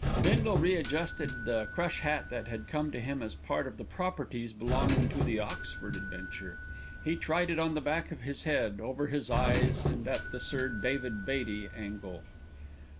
Bindle readjusted the crush hat that had come to him as part of the properties belonging to the Oxford Adventure. He tried it on the back of his head, over his eyes and at the Sir David Beatty Angle.